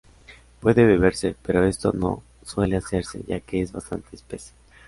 Puede beberse pero esto no suele hacerse ya que es bastante espeso.